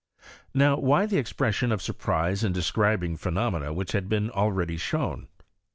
Now why the expression of sur prise in describing phenomena which had bee* already shown